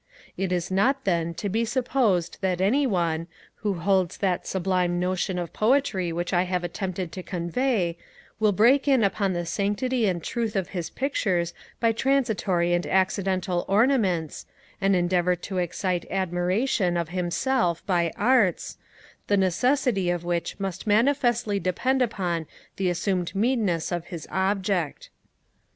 It is not, then, to be supposed that any one, who holds that sublime notion of Poetry which I have attempted to convey, will break in upon the sanctity and truth of his pictures by transitory and accidental ornaments, and endeavour to excite admiration of himself by arts, the necessity of which must manifestly depend upon the assumed meanness of his subject.